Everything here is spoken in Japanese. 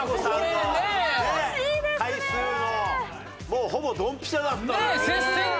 もうほぼドンピシャだったのよ。